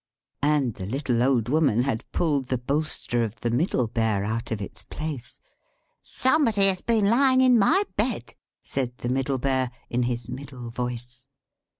And the little Old Woman had pulled the bolster of the Middle Sized Bear out of its place. "=Somebody has been lying in my bed!=" said the Middle Sized Bear, in her middle sized voice.